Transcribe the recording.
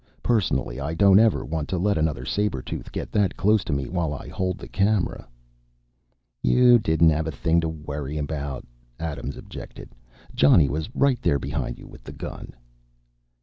Personally, I don't ever want to let another saber tooth get that close to me while I hold the camera." "You didn't have a thing to worry about," Adams objected. "Johnny was right there behind you with the gun."